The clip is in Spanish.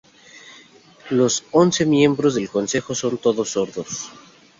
Los once miembros del consejo son todos sordos.